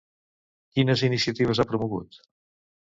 Quines iniciatives ha promogut?